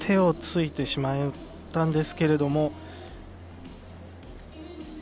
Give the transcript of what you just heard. で、ここで手をついてしまったんですけれども。